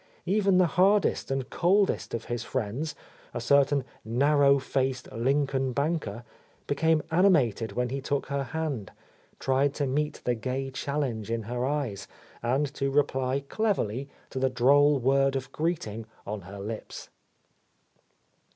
Even the hardest and coldest of his friends, a certain narrow faced Lincoln banker, became animated when he took her hand, tried to meet the gay challenge in her eyes and to reply cleverly to the droll word of greeting on her lips.